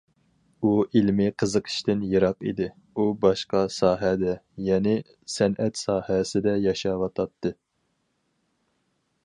ئۇ ئىلمىي قىزىقىشتىن يىراق ئىدى، ئۇ باشقا ساھەدە يەنى سەنئەت ساھەسىدە ياشاۋاتاتتى.